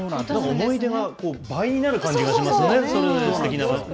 思い出が倍になる感じがしますね、それで。